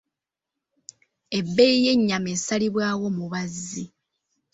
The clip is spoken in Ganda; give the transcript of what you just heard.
Ebbeeyi y'ennyama esalibwawo mubaazi.